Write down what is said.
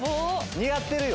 似合ってるよ。